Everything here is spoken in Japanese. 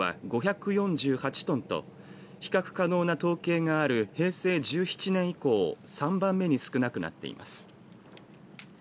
函館市の市場での取扱量は５４８トンと比較可能な統計がある平成１７年以降３番目に少なくなっています。